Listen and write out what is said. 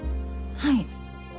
はい。